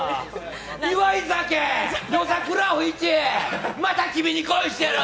「祝い酒」、「夜桜お七」、「また君に恋してる」！